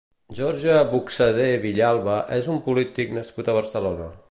Jorge Buxadé Villalba és un polític nascut a Barcelona.